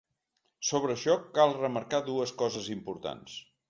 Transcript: Sobre això, cal remarcar dues coses importants.